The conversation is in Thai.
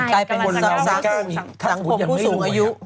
กลายเป็นคนเรายังไม่รวย